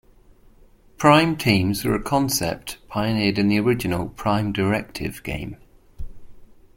Prime Teams were a concept pioneered in the original "Prime Directive" game.